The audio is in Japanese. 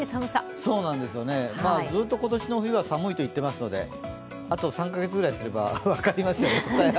ずっと今年の冬は寒いと言ってますのであと３か月ぐらいすれば分かると思います。